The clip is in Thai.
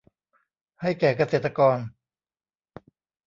ให้แก่เกษตรกร